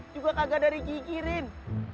juga kagak dari gigi rin